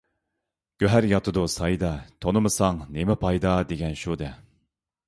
«گۆھەر ياتىدۇ سايدا، تونۇمىساڭ نېمە پايدا» دېگەن شۇ-دە.